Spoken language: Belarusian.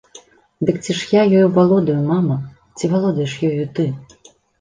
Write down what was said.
Дык ці ж я ёю валодаю, мама, ці валодаеш ёю ты?